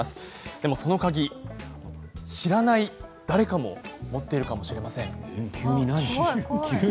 でもその鍵、知らない誰かも持っているかもしれません。